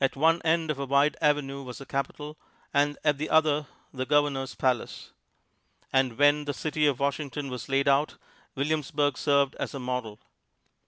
At one end of a wide avenue was the Capitol, and at the other the Governor's "palace"; and when the city of Washington was laid out, Williamsburg served as a model.